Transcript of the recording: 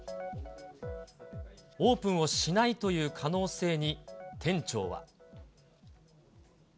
オープンをしないという可能性に店長は。